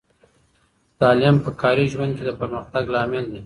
تعلیم په کاري ژوند کې د پرمختګ لامل دی.